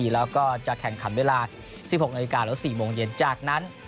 แล้วก็จะแข่งขันเวลา๑๖นาฬิกาหรือ๔โมงเย็นจากนั้น